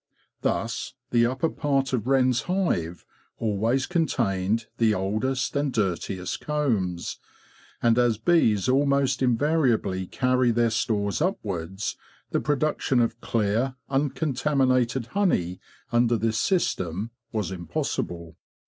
Thus the upper part of Wren's hive always contained the oldest and dirtiest combs, and as bees almost invariably carry their stores upwards, the production of clear, uncontaminated honey under this system was impossible.